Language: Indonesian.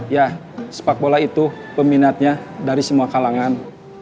ya sepak bola itu peminatnya dari semua kalangan